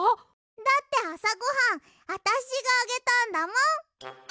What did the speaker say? だってあさごはんあたしがあげたんだもん！